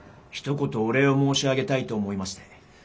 ひと言お礼を申し上げたいと思いまして。